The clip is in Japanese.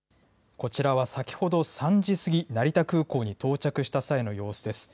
こちらは先ほど３時過ぎ、成田空港に到着した際の様子です。